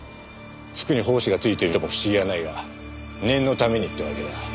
服に胞子が付いていても不思議はないが念のためにってわけだ。